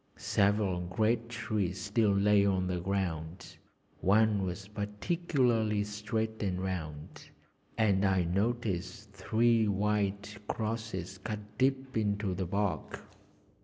Several great trees still lay on the ground; one was particularly straight and round, and I noticed three wide crosses cut deep into the bark.